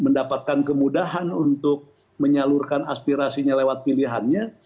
mendapatkan kemudahan untuk menyalurkan aspirasinya lewat pilihannya